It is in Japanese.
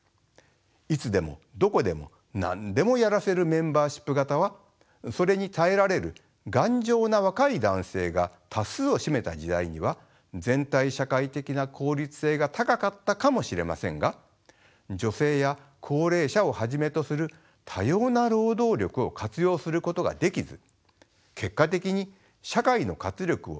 いつでもどこでも何でもやらせるメンバーシップ型はそれに耐えられる頑丈な若い男性が多数を占めた時代には全体社会的な効率性が高かったかもしれませんが女性や高齢者をはじめとする多様な労働力を活用することができず結果的に社会の活力を失わせています。